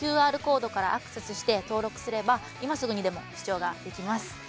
ＱＲコードからアクセスして登録すれば今すぐにでも視聴ができます。